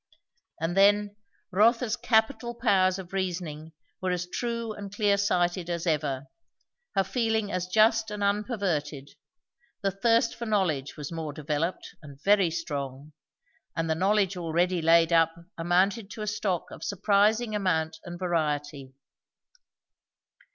And then, Rotha's capital powers of reasoning were as true and clear sighted as ever, her feeling as just and unperverted; the thirst for knowledge was more developed and very strong; and the knowledge already laid up amounted to a stock of surprising amount and variety.